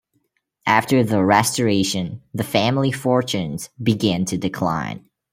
After the Restoration, the family fortunes began to decline.